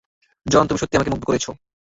জন, তুমি সত্যিই আমাকে মুগ্ধ করেছে।